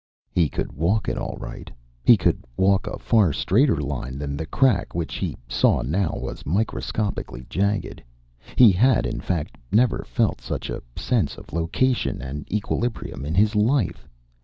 He could walk it, all right. He could walk a far straighter line than the crack, which he saw now was microscopically jagged. He had, in fact, never felt such a sense of location and equilibrium in his life.